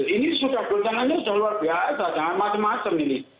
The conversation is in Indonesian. ini sudah berjalan jalan luar biasa macam macam ini